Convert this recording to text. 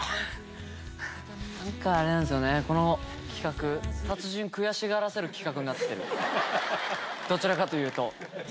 なんかあれなんですよ、この企画、達人悔しがらせる企画になってる、どちらかというと。